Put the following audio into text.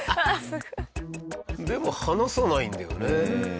でも離さないんだよね。